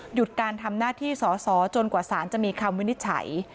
หยุดการทำหน้าที่สอสอจนกว่าสารจะมีคำวินิจฉัย